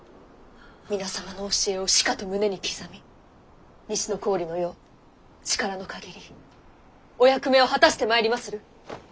皆様の教えをしかと胸に刻み西郡の葉力の限りお役目を果たしてまいりまする！